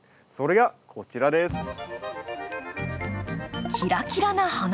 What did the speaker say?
それがこちらです。